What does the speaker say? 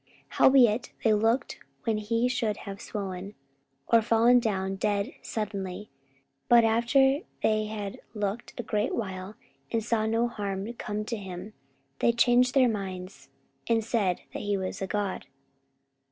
44:028:006 Howbeit they looked when he should have swollen, or fallen down dead suddenly: but after they had looked a great while, and saw no harm come to him, they changed their minds, and said that he was a god.